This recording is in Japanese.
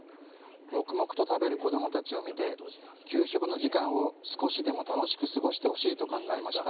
黙々と食べる子どもたちを見て給食の時間を少しでも楽しく過ごしてほしいと考えました。